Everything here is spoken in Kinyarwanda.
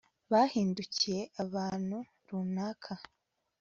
Bahindukiye ahantu runaka